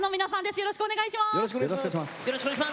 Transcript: よろしくお願いします。